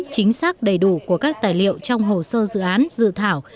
chính xác đầy đủ của các tài liệu trong hồ sơ dự án dự thảo